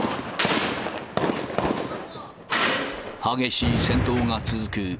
激しい戦闘が続く